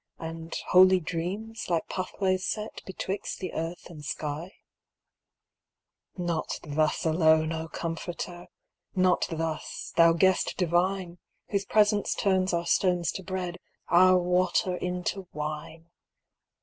And holy dreams, like pathways set Betwixt the earth and sky ? Not thus alone, O Comforter! Not thus, thou Guest Divine, Whose presence turns our stones to bread, Our water into wine